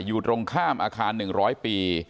อยู่ตรงข้ามอาคาร๑๐๐ปี